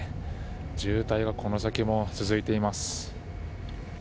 渋滞がこの先も続いています。